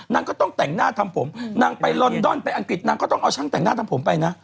นางก็ต้องแต่งหน้าทำผมนางไปลอนดอนไปอังกฤษนางก็ต้องเอาช่างแต่งหน้าทำผมไปนะ